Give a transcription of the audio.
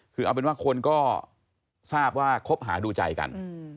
คือเอาเป็นว่าคนก็ทราบว่าคบหาดูใจกัน